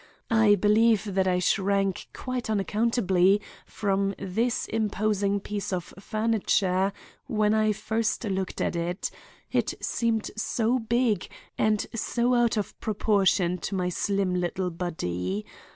I believe that I shrank quite unaccountably from this imposing piece of furniture when I first looked at it; it seemed so big and so out of proportion to my slim little body.